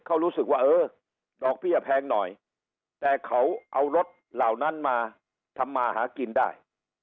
เขารู้สึกว่าเออดอกเบี้ยแพงหน่อยแต่เขาเอารถเหล่านั้นมาทำมาหากินได้